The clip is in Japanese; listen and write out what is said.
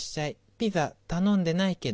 ピザ頼んでないけど。